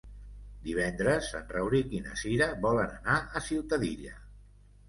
Divendres en Rauric i na Cira volen anar a Ciutadilla.